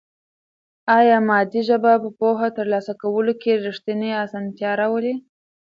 آیا مادي ژبه په پوهه ترلاسه کولو کې رښتینې اسانتیا راولي؟